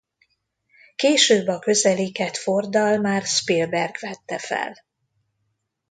Később a közeliket Forddal már Spielberg vette fel.